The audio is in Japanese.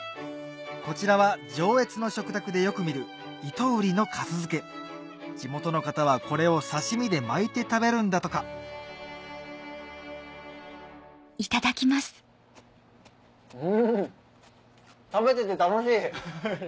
こちらは上越の食卓でよく見る地元の方はこれを刺し身で巻いて食べるんだとかうん食べてて楽しい。